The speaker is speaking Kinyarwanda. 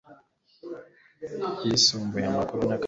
yisumbuye amakuru na kaminuza